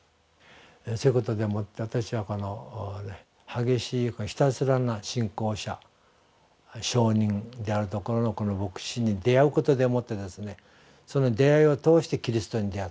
そういうことでもって私は激しいひたすらな信仰者証人であるところのこの牧師に出会うことでもってその出会いを通してキリストに出会ったんです。